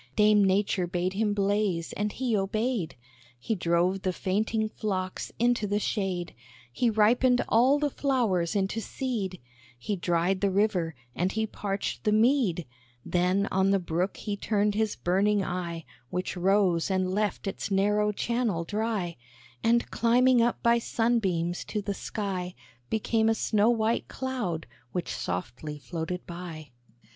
Dame Nature bade him blaze, and he obeyed; He drove the fainting flocks into the shade, He ripened all the flowers into seed, He dried the river, and he parched the mead; Then on the Brook he turned his burning eye, Which rose and left its narrow channel dry; And, climbing up by sunbeams to the sky, Became a snow white cloud, which softly floated by.